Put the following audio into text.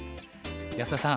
安田さん